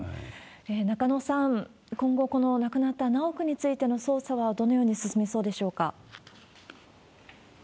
中野さん、今後、亡くなった修くんについての捜査はどのように進みそうでしょうか？